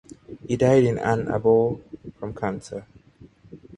He died in Ann Arbor from cancer.